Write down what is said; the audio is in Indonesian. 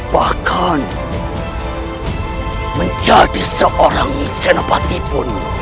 bahkan menjadi seorang senapati pun